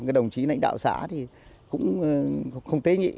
cái đồng chí nãnh đạo xã thì cũng không tế nghị